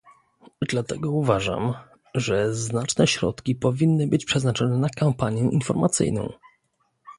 Dlatego uważam, że znaczne środki powinny być przeznaczone na kampanię informacyjną